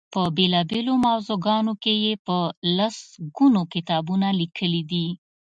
په بېلا بېلو موضوعګانو کې یې په لس ګونو کتابونه لیکلي دي.